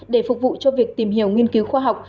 để phục vụ cho việc tìm hiểu nghiên cứu khoa học